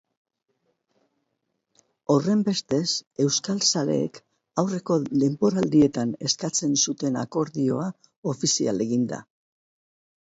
Horrenbestez, euskal zaleek aurreko denboraldietan eskatzen zuten akordioa ofizial egin da.